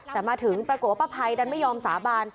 แต่มาถึงปรากฏว่าป้าภัยดันไม่ยอมสาบาน